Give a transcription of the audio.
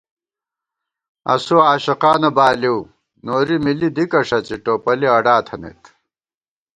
اسُوعاشقانہ بالِؤ نوری مِلی دِکہ ݭڅی ٹوپَلی اڈا تھنَئیت